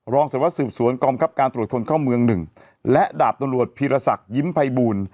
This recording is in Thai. รองสวัสสืบสวนกองคับการตรวจคนเข้าเมืองหนึ่งและดาบตำรวจพีรศักดิ์ยิ้มภัยบูล